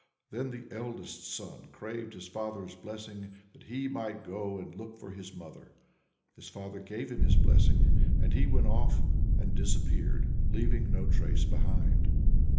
Then the eldest son craved his father's blessing, that he might go and look for his mother. His father gave him his blessing, and he went off and disappeared, leaving no trace behind.